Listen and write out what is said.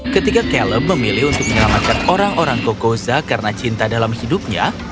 ketika calem memilih untuk menyelamatkan orang orang kokosa karena cinta dalam hidupnya